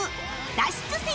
『脱出せよ！